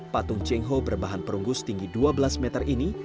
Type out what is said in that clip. patung tionghoa berbahan perunggus tinggi dua belas meter ini